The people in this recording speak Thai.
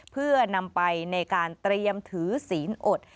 เพื่อนำไปในการเตรียมถือศีลอด